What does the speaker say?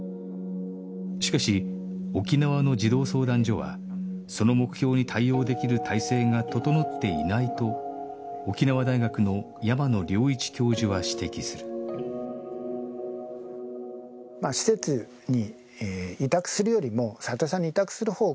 しかし沖縄の児童相談所はその目標に対応できる体制が整っていないと沖縄大学の山野良一教授は指摘するってことなんだと思いますよね。